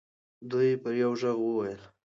دوی په یوه ږغ وویل.